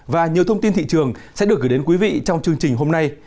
và nhiều thông tin thị trường sẽ được gửi đến quý vị trong chương trình hôm nay